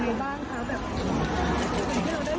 และฝ่ายแบบดีน้อยห่างอีก